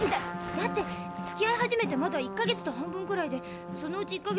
だってつきあい始めてまだ１か月と半分ぐらいで。